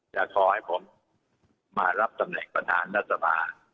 จะขอให้ผมมารับตำแหน่งประธานรัฐสภา